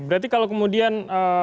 jadi kalau kemudian